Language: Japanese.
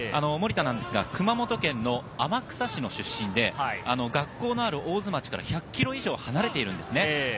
森田は熊本県の天草市の出身で、学校のある大津町から１００ｋｍ以上離れているんです。